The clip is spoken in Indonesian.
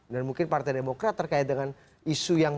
dan mungkin partai demokrat terkait dengan isu yang